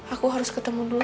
aku harus ketemu dulu